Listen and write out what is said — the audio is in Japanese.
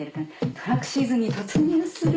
「トラックシーズンに突入する」。